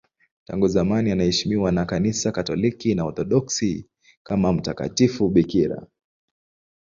Tangu zamani anaheshimiwa na Kanisa Katoliki na Waorthodoksi kama mtakatifu bikira.